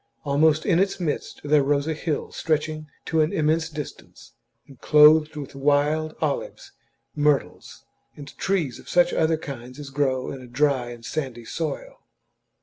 Almost in its midst there rose a hill stretching to an immense distance, and clothed with wild olives, myrtles, and trees of such other kinds as grow in a dry and sandy soil.